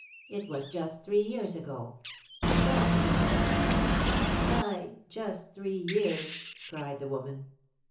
It was just three years ago. Trot now!" "Aye, just three years!" cried the woman.